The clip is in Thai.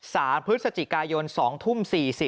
สารพฤศจิกายน๒ทุ่ม๔๐